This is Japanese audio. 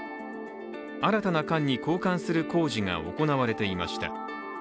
新たな管に交換する工事が行われていました。